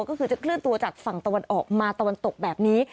ก็คือจะเคลื่อนตัวจากฝั่งตะวันออกมาตะวันตกแบบนี้